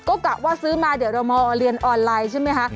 ก็กะว่าซื้อมาเดี๋ยวเรามาเรียนออนไลน์ใช่ไหมคะ